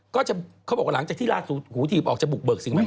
เขาบอกหลังจากที่ลาหูถีบออกจะบุกเบิกสิ่งใหม่